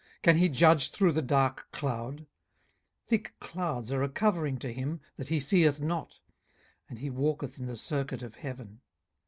can he judge through the dark cloud? 18:022:014 Thick clouds are a covering to him, that he seeth not; and he walketh in the circuit of heaven.